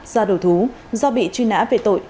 ra đổ thú do bị truy nã về tội